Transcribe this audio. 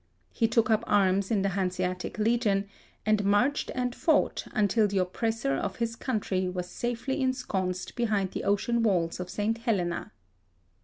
He took up arms in the Hanseatic Legion, and marched and fought until the oppressor of his country was safely ensconced behind the ocean walls of St. Helena.